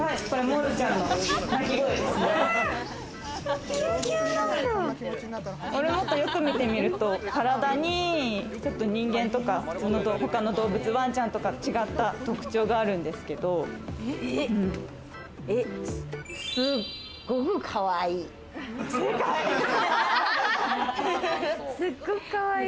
モルモット、よく見てみると体にちょっと人間とか普通の他の動物、わんちゃんとかとは、ちょっと違った特徴があるんですすごくかわいい。